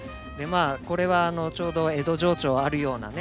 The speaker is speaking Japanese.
これはちょうど江戸情緒あるようなね